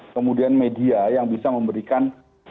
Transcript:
kemudian media yang bisa memberikan